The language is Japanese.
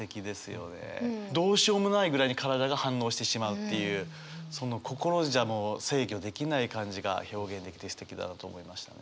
どうしようもないぐらいに体が反応してしまうっていうその心じゃ制御できない感じが表現できてすてきだなと思いましたね。